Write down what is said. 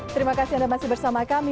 terima kasih anda masih bersama kami